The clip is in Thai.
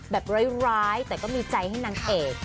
แบบร้ายแต่ก็มีใจให้นางเอก